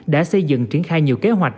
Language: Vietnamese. đã xây dựng triển khai nhiều kế hoạch